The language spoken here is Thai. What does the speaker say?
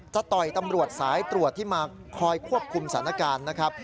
ต่อยตำรวจสายตรวจที่มาคอยควบคุมสถานการณ์นะครับ